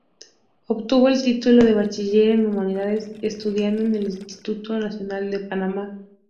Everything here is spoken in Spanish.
Obtuvo el título de Bachiller en Humanidades estudiando en el Instituto Nacional de Panamá.